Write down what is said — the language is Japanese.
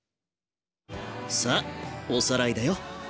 さあおさらいだよ。